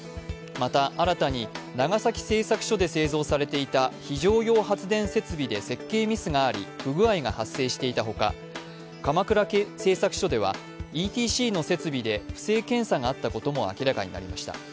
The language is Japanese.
また、新たに長崎製作所で製造されていた非常用発電設備で設計ミスがあり不具合が発生していたほか、鎌倉製作所ではＥＴＣの設備で不正検査があったことが明らかになりました。